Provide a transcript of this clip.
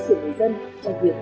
sự người dân cho việc